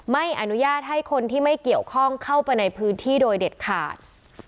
ไม่อนุญาตให้คนที่ไม่เกี่ยวข้องเข้าไปในพื้นที่โดยเด็ดขาด